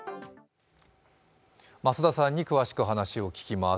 増田さんに詳しく話を聞きます。